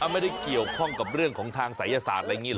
ไม่ได้เกี่ยวข้องกับเรื่องของทางศัยศาสตร์อะไรอย่างนี้เห